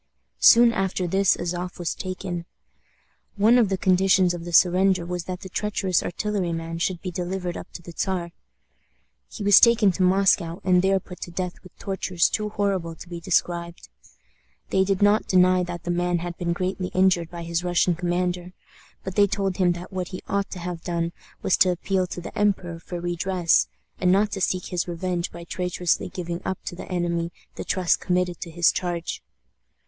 Soon after this Azof was taken. One of the conditions of the surrender was that the treacherous artilleryman should be delivered up to the Czar. He was taken to Moscow, and there put to death with tortures too horrible to be described. They did not deny that the man had been greatly injured by his Russian commander, but they told him that what he ought to have done was to appeal to the emperor for redress, and not to seek his revenge by traitorously giving up to the enemy the trust committed to his charge.